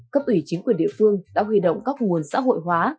cấp ủy chính quyền địa phương đã huy động các nguồn xã hội hóa